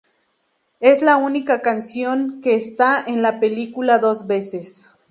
Es la única canción que está en la película dos veces".